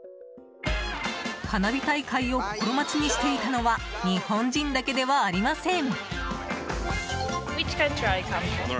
花火大会を心待ちにしていたのは日本人だけではありません。